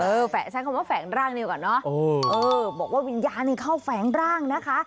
เออแฝะฉันคำว่าแฝงร่างนี่ก่อนเนอะเออเออบอกว่าวิญญาณนี่เข้าแฝงร่างนะคะ